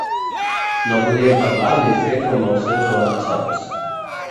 No podien parlar ni fer com els seus avantpassats.